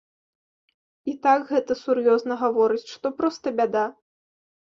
І так гэта сур'ёзна гаворыць, што проста бяда.